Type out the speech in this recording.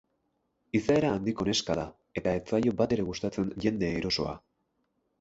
Izaera handiko neska da eta ez zaio batere gustatzen jende erosoa.